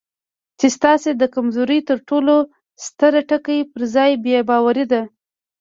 چې ستاسې د کمزورۍ تر ټولو ستر ټکی پر ځان بې باوري ده.